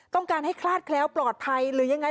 ต้องการให้คลาดแคล้วปลอดภัยหรือยังไง